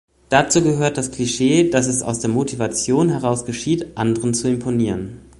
Dazu gehört das Klischee, dass es aus der Motivation heraus geschieht, anderen zu imponieren.